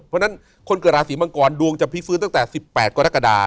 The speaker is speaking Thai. เพราะฉะนั้นคนเกิดราศีมังกรดวงจะพลิกฟื้นตั้งแต่๑๘กรกฎา